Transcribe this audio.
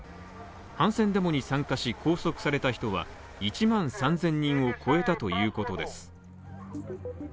反戦デモに参加し、拘束された人は１万３０００人を超えたということです。